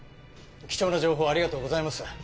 貴重な情報ありがとうございます。